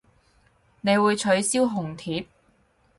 你會取消紅帖